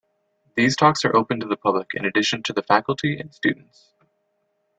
These talks are open to the public in addition to the faculty and students.